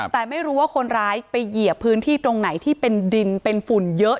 แต่ไม่รู้ว่าคนร้ายไปเหยียบพื้นที่ตรงไหนที่เป็นดินเป็นฝุ่นเยอะ